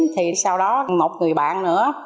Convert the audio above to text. thì sau đó một người bạn nữa